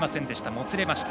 もつれました。